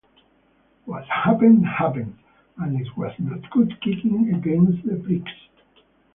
What happened happened, and it was no good kicking against the pricks.